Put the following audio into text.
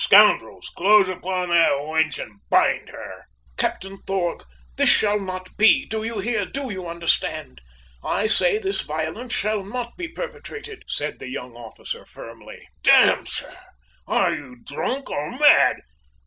Scoundrels! close upon that wench and bind her!" "Captain Thorg! This shall not be! Do you hear? Do you understand? I say this violence shall not be perpetrated!" said the young officer, firmly. "D n, sir! Are you drunk, or mad?